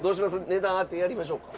値段当てやりましょうか？